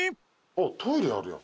トイレあるやん。